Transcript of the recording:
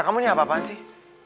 kamu ini apa apaan sih